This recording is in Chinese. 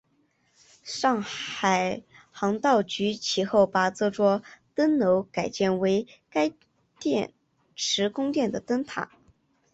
上海航道局其后把这座灯楼改建为干电池供电的灯塔。